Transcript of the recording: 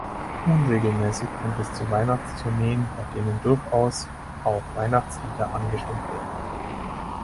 Unregelmäßig kommt es zu Weihnachts-Tourneen, bei denen durchaus auch Weihnachtslieder angestimmt werden.